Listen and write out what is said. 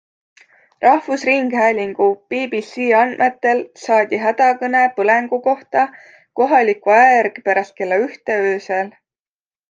Rahvusringhäälingu BBC andmetel saadi hädakõne põlengu kohta kohaliku aja järgi pärast kella ühte öösel.